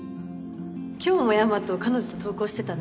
今日も大和彼女と登校してたね